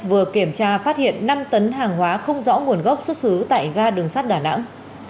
vừa kiểm tra phát hiện năm tấn hàng hóa không rõ nguồn gốc xuất xứ tại ga đường sắt đà nẵng